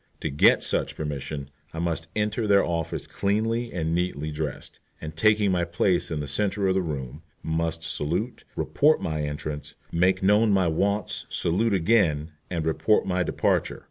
To get such permission I must enter their office cleanly and neatly dressed, and, taking my place in the centre of the room, must salute, report my entrance, make known my wants, salute again, and report my departure.